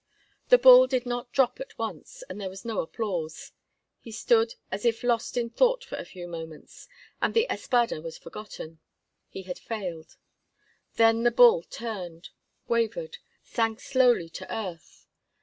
The bull did not drop at once, and there was no applause. He stood as if lost in thought for a few moments, and the espada was forgotten; he had failed. Then the bull turned, wavered, sank slowly to earth.